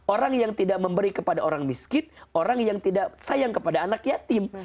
orang yang tidak memberi kepada orang miskin orang yang tidak sayang kepada anak yatim